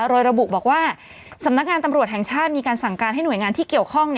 โดยระบุบอกว่าสำนักงานตำรวจแห่งชาติมีการสั่งการให้หน่วยงานที่เกี่ยวข้อง